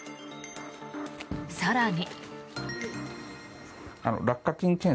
更に。